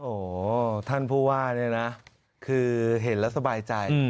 โอ้โหท่านผู้ว่าเนี่ยนะคือเห็นแล้วสบายใจ